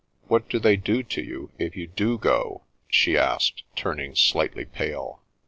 What do they do to you if you do go ?" she asked, turning slightly pale.